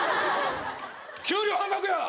給料半額や！